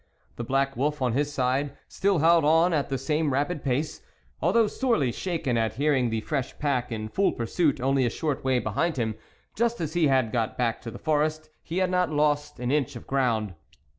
The black wolf, on his side, still held on at the same rapid pace ; although sorely shaken at hearing the fresh pack in full pursuit only a short way behind him, just as he had got back to the forest, he had not lost an inch of ground.